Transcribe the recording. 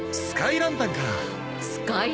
スカイランタン？